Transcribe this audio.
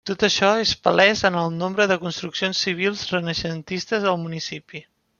Tot això és palès en el nombre de construccions civils renaixentistes al municipi.